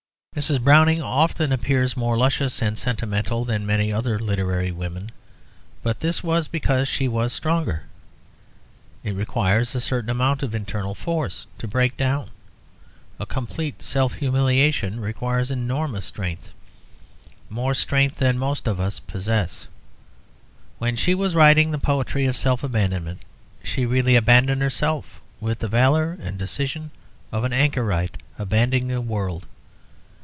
Mrs. Browning often appears more luscious and sentimental than many other literary women, but this was because she was stronger. It requires a certain amount of internal force to break down. A complete self humiliation requires enormous strength, more strength than most of us possess. When she was writing the poetry of self abandonment she really abandoned herself with the valour and decision of an anchorite abandoning the world.